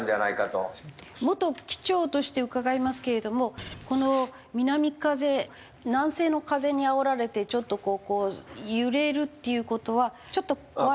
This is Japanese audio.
元機長として伺いますけれどもこの南風南西の風にあおられてちょっとこう揺れるっていう事はちょっと怖い？